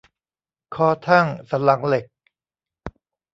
คอทั่งสันหลังเหล็ก